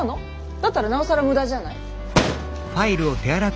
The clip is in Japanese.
だったらなおさら無駄じゃない？